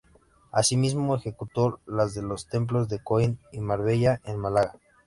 Asimismo, ejecutó las de los templos de Coín y Marbella en Málaga